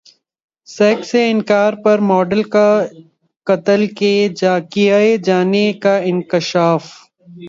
sex سے انکار پر ماڈل کا قتل کیے جانے کا انکشاف